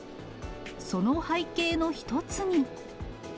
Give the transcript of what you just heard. その背景の一つに。